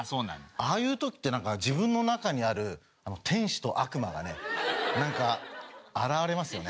ああいう時ってなんか自分の中にある天使と悪魔がねなんか現れますよね？